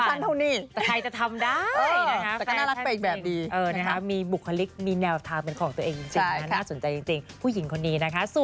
ผมชั้นเท่านี้แต่ใครจะทำได้นะครับแฟนแฟนจริงนะครับมีบุคลิกมีแนวทางเป็นของตัวเองจริงน่าสนใจจริงผู้หญิงคนนี้นะครับ